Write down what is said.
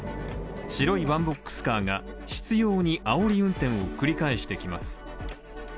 白いワンボックスカーが執拗にあおり運転を繰り返してきます。